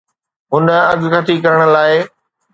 هن اڳڪٿي ڪرڻ لاء